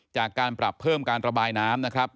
จากการปรับเพิ่มการระบายน้ำนะครับ